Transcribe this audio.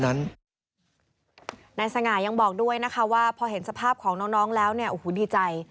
นายสง่ายังบอกด้วยนะคะว่าพอเห็นสภาพของน้องแล้วเนี่ยโอ้โหดีใจ